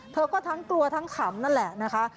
เธอก็ทั้งกลัวทั้งขำนั่นแหละนะคะ